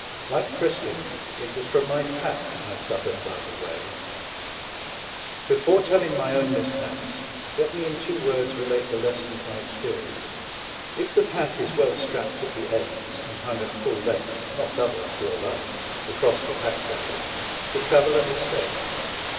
Like Christian, it was from my pack I suffered by the way. Before 10 DONKEY, PACK, AND SADDLE telling my own mishaps, let me in two words relate the lesson of my experience. If the pack is well strapped at the ends, and hung at full length — not doubled, for your life — across the pack saddle, the traveller is safe.